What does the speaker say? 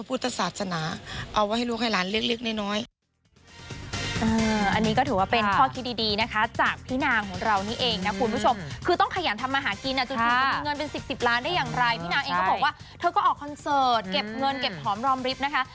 พี่นางเองก็บอกว่าเธอก็ออกคอนเสิร์ตเก็บเงินเก็บหอมรอมริบนะคะ